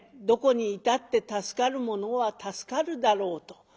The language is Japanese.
どこにいたって助かるものは助かるだろうと。